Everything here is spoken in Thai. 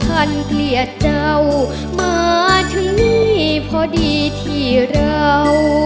เกลียดเจ้ามาถึงนี่พอดีที่เรา